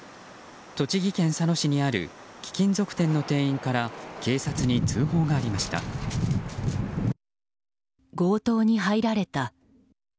栃木県佐野市にある貴金属店の店員から警察に通報がありました。